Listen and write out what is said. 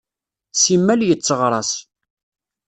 Simmal yetteɣṛas.